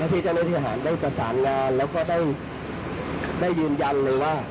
ที่เจ้าหน้าที่ทหารได้ประสานงานแล้วก็ได้ยืนยันเลยว่า